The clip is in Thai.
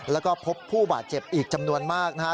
แล้วก็พบผู้บาดเจ็บอีกจำนวนมากนะฮะ